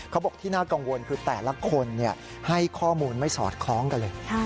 เขาบอกที่น่ากังวลคือแต่ละคนให้ข้อมูลไม่สอดคล้องกันเลย